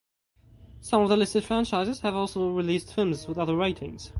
Some of the listed franchises have also released films with other ratings.